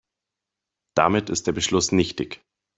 Damit ist der Beschluss nichtig.